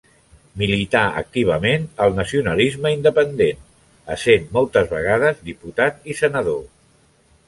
Milità activament al Nacionalisme Independent, essent moltes vegades diputat i senador.